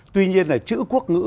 tuy nhiên là chữ quốc ngữ